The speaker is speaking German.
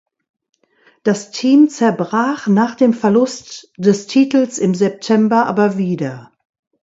Das Team zerbrach nach dem Verlust des Titels im September aber wieder.